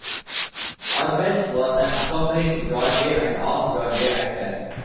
Orbach was an accomplished Broadway and off-Broadway actor.